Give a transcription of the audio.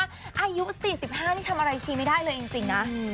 อายุ๔๕นี่ทำอะไรชีไม่ได้เลยจริงนะ